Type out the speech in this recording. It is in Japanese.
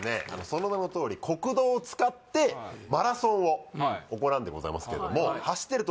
その名のとおり国道を使ってマラソンを行うんでございますけれども走ってる